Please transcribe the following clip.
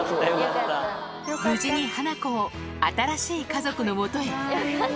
無事にハナコを新しい家族のもとへ。